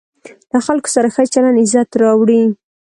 له خلکو سره ښه چلند عزت راوړي.